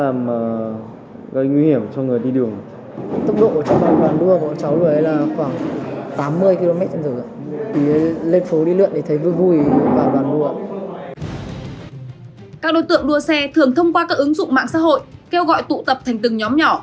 các đối tượng đua xe thường thông qua các ứng dụng mạng xã hội kêu gọi tụ tập thành từng nhóm nhỏ